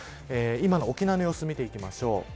今の沖縄の様子を見ていきましょう。